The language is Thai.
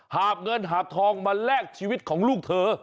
หาบเงินหาบทองมาแลกชีวิตของลูกเธอ